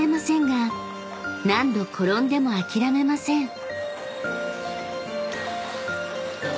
何度転んでも諦めません］